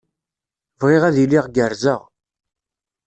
Bɣiɣ ad iliɣ gerrzeɣ.